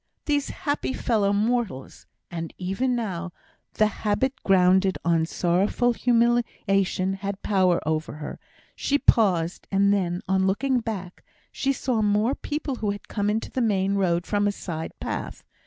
these happy fellow mortals! And even now, the habit grounded on sorrowful humiliation had power over her; she paused, and then, on looking back, she saw more people who had come into the main road from a side path.